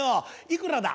いくらだ？